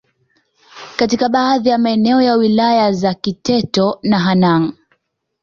katika baadhi ya maeneo ya Wilaya za Kiteto na Hanang